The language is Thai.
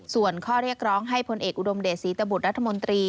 ส่วนข้อเรียกร้องให้พลเอกอุดมเดชศรีตบุตรรัฐมนตรี